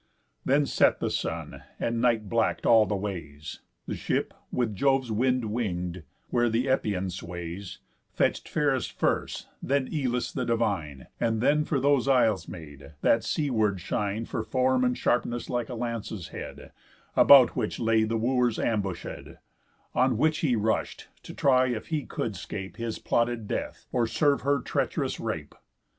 Then set the sun, and night black'd all the ways. The ship, with Jove's wind wing'd, where th' Epian sways, Fetch'd Pheras first, then Elis the divine, And then for those isles made, that sea ward shine For form and sharpness like a lance's head, About which lay the Wooers ambushéd; On which he rush'd, to try if he could 'scape His plotted death, or serve her treach'rous rape.